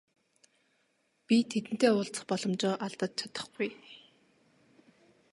Би тэдэнтэй уулзах боломжоо алдаж чадахгүй.